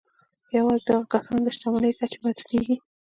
یوازې د هغو کسانو د شتمني کچه محدودېږي